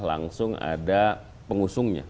langsung ada pengusungnya